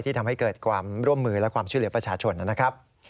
ทำให้เกิดความร่วมมือและความช่วยเหลือประชาชนนะครับ